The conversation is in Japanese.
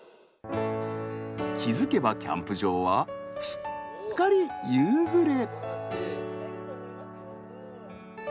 気付けばキャンプ場はすっかり夕暮れ。